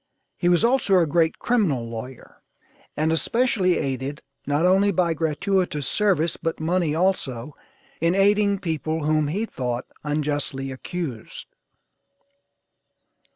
He was also a great criminal lawyer, and especially aided, not only by gratuitous service, but money also, in aiding people whom he thought unjustly accused.